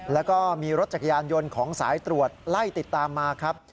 แล้วก็มีรถจักรยานยนต์ของสายตรวจไล่ติดตามมาครับ